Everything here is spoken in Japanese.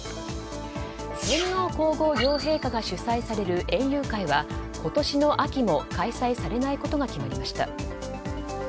天皇・皇后両陛下が主催される園遊会は今年の秋も開催されないことが決まりました。